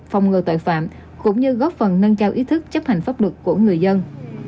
phòng ngừa tội phạm cũng như góp phần nâng cao ý thức chấp hành pháp luật của người dân